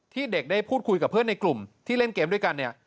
เด็กได้พูดคุยกับเพื่อนในกลุ่มที่เล่นเกมด้วยกันเนี่ย